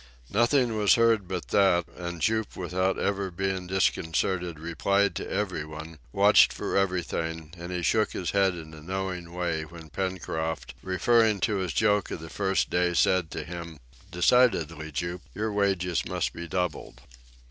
Nothing was heard but that, and Jup without ever being disconcerted, replied to every one, watched for everything, and he shook his head in a knowing way when Pencroft, referring to his joke of the first day, said to him, "Decidedly, Jup, your wages must be doubled."